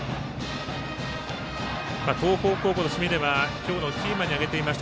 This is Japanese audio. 東邦高校としてみれば今日のキーマンに挙げていました